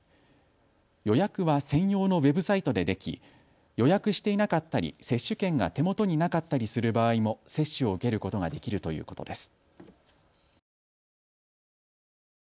予約は専用のウェブサイトででき予約していなかったり接種券が手元になかったりする場合も接種を受けることができるということです。